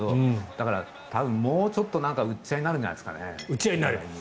だからもうちょっと打ち合いになるんじゃないですかね。